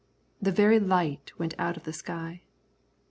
The very light went out of the sky.